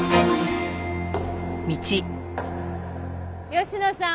吉野さん